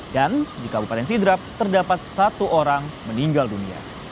dan di kabupaten sidrap terdapat satu orang meninggal dunia